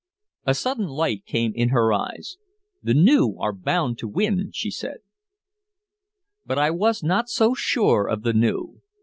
A sudden light came in her eyes. "The new are bound to win!" she said. But I was not so sure of the new.